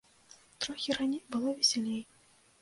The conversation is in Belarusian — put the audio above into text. Трохі раней было весялей.